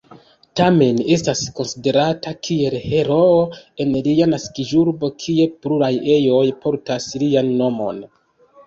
Tamen estas konsiderata kiel heroo en lia naskiĝurbo kie pluraj ejoj portas lian nomon.